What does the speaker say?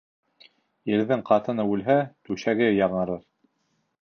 Ирҙең ҡатыны үлһә, түшәге яңырыр.